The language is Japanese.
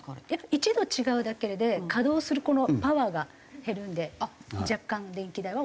１度違うだけで稼働するパワーが減るんで若干電気代は抑えられる。